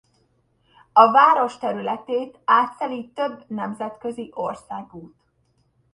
A város területét átszeli több nemzetközi országút.